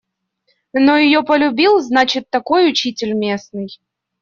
Но её полюбил, значит, такой учитель местный.